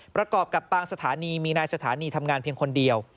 ประกอบกับบางสถานีมีนายสถานีทำงานเพียงคนเดียว